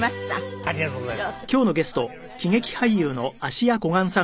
ありがとうございます。